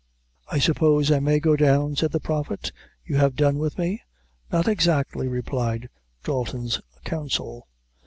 "I suppose I may go down," said the Prophet, "you have done with me?" "Not exactly," replied Dalton's counsel.